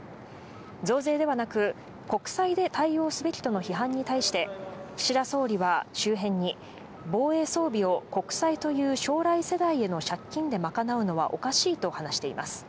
増税ではなく国債で対応すべきとの批判に対して岸田総理は周辺に、防衛装備を国債という将来世代の借金でまかなうのはおかしいと話しています。